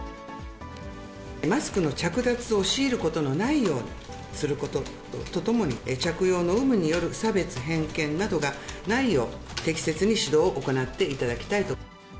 マスクの着脱を強いることのないようにすることとともに着用の有無による差別、偏見などがないよう、適切に指導を行っていただきたいと。